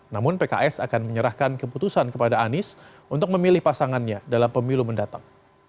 namun pks akan menyerahkan keputusan kepada anies untuk memilih pasangannya dalam pemilu mendatang